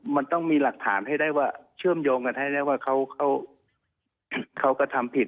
มันต้องมีหลักฐานให้ได้ว่าเชื่อมโยงกันให้ได้ว่าเขากระทำผิด